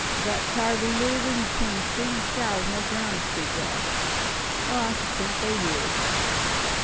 "Got tired o' livin' between sea and sky with no ground to speak of. Well, I should think they would!"